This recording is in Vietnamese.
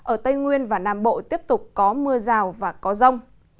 ở tây nguyên và nam bộ tiếp tục có mưa rào và có rông